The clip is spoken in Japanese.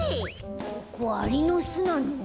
ここアリのすなの？